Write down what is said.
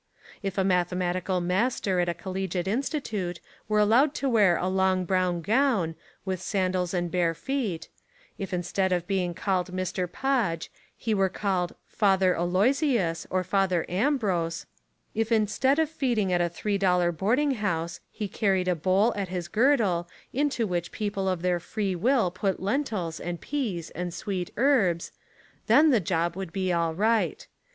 If a mathematical master at a collegiate insti tute were allowed to wear a long brown gown, with sandals and bare feet; if instead of being called Mr. Podge, he were called Father Aloy sius or Brother Ambrose; if instead of feeding at a three dollar boarding house, he carried a bowl at his girdle into which people of their free will put lentils and peas and sweet herbs — then the job would be all right.